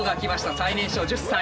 最年少１０歳。